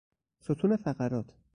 ستون فقرات